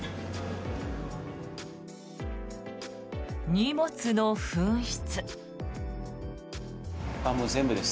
荷物の紛失。